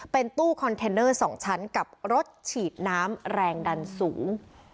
เป็นตู้คอนเทนเนอร์๒ชั้นกับรถฉีดน้ำแรงดันสูง